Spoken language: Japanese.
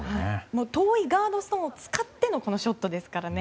遠い側のストーンを使ってのショットですからね。